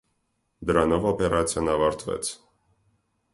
Դրանով օպերացիան ավարտվեց։